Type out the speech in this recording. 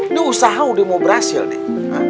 ini usaha udah mau berhasil deh